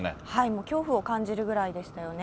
もう恐怖を感じるぐらいでしたよね。